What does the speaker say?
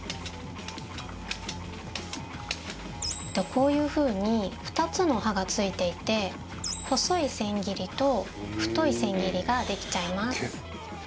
こういう風に２つの刃が付いていて細い千切りと太い千切りができちゃいます。